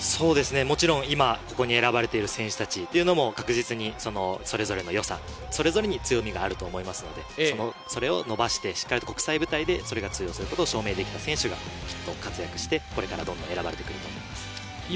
もちろん今ここに選ばれている選手たちというのも確実にそれぞれの良さ、それぞれに強みがあると思いますので、それを伸ばして、しっかりと国際舞台でそれが通用すること証明できた選手がきっと活躍して、これからも選ばれると思います。